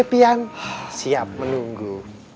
pian siap menunggu